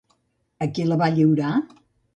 A qui la va lliurar?